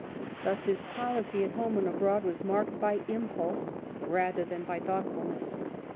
Thus his policy at home and abroad was marked by impulse rather than by thoughtfulness.